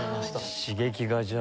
刺激がじゃあ。